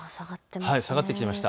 下がってきていました。